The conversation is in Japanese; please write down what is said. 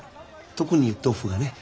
特に豆腐がね。